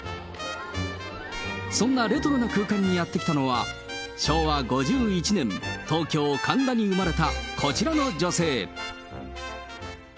そんなレトロな空間にやって来たのは昭和５１年、東京・神田に生まれたこちらの女性。